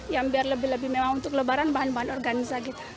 yang biar lebih lebih mewah untuk lebaran bahan bahan organiza gitu